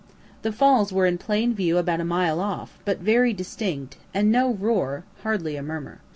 The falls were in plain view about a mile off, but very distinct, and no roar hardly a murmur.